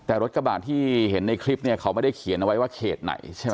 แต่รถกระบาดที่เห็นในคลิปเนี่ยเขาไม่ได้เขียนเอาไว้ว่าเขตไหนใช่ไหม